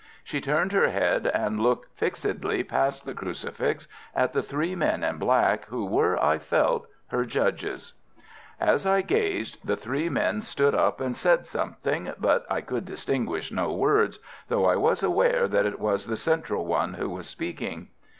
She turned her head and looked fixedly past the crucifix at the three men in black, who were, I felt, her judges. As I gazed the three men stood up and said something, but I could distinguish no words, though I was aware that it was the central one who was speaking.